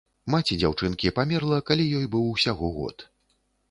Маці дзяўчынкі памерла, калі ёй быў усяго год.